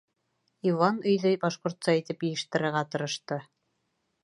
Иван өйҙө башҡортса итеп йыйыштырырға тырышты.